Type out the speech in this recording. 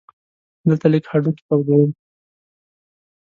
دلته لږ هډوکي تودوم.